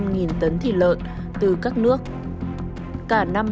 xin chào và hẹn gặp lại